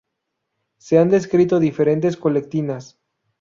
Se han descrito diferentes colectinasː